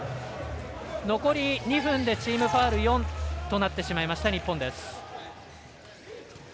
残り２分でチームファウル４となってしまいました日本です。